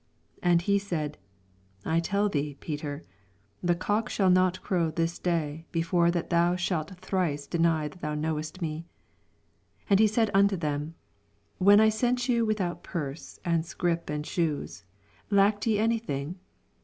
34 And he said, I tell thee, Poter, the cock shall not crow this day, bo fore that thou shalt thrice deny that thou knowest me. 35 And he said unto them, When I sent yon without purse, and «crip. and shoes, lacked ye anytning